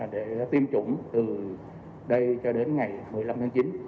để tiêm chủng từ đây cho đến ngày một mươi năm tháng chín